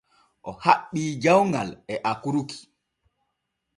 O haɓɓi jawŋal e akurki.